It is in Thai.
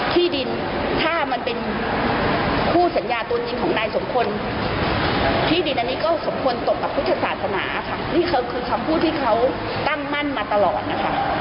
ที่ดินถ้ามันเป็นคู่สัญญาตัวจริงของนายสมคลที่ดินอันนี้ก็สมควรตกกับพุทธศาสนาค่ะนี่คือคำพูดที่เขาตั้งมั่นมาตลอดนะคะ